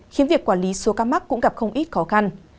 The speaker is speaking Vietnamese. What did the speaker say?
khiến việc quản lý số ca mắc cũng gặp không ít khó khăn